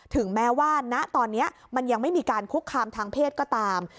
ถึงแม้ว่าณตอนนี้มันยังไม่มีการคุกคามทางเพศก็ตาม